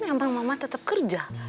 emang mama tetep kerja